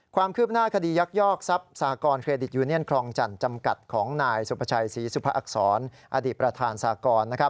ความคืบหน้าคดียักยอกทรัพย์สากรเครดิตยูเนียนครองจันทร์จำกัดของนายสุภาชัยศรีสุภอักษรอดีตประธานสากร